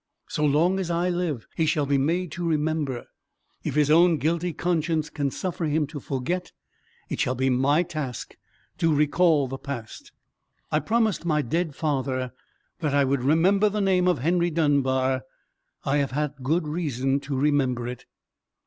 So long as I live he shall be made to remember. If his own guilty conscience can suffer him to forget, it shall be my task to recall the past. I promised my dead father that I would remember the name of Henry Dunbar; I have had good reason to remember it."